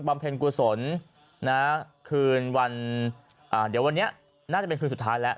เพ็ญกุศลคืนวันเดี๋ยววันนี้น่าจะเป็นคืนสุดท้ายแล้ว